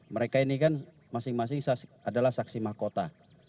mereka ini kan masing masing adalah saksi mahkota